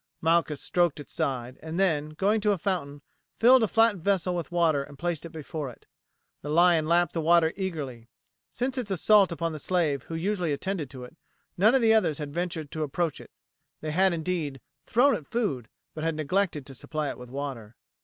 Malchus stroked its side, and then, going to a fountain, filled a flat vessel with water and placed it before it. The lion lapped the water eagerly. Since its assault upon the slave who usually attended to it, none of the others had ventured to approach it. They had, indeed, thrown it food, but had neglected to supply it with water.